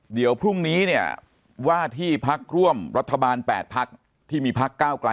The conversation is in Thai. เดี๋ยวพรุ่งนี้เนี่ยว่าที่พักร่วมรัฐบาล๘พักที่มีพักก้าวกลาย